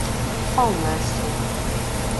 Palmácia